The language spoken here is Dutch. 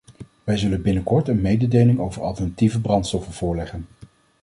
Wij zullen binnenkort een mededeling over alternatieve brandstoffen voorleggen.